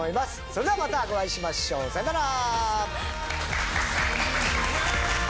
それではまたお会いしましょうさようなら！